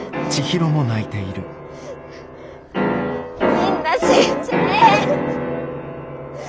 みんな死んじゃえ。